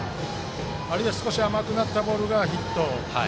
あるいは少し甘くなったボールがヒット。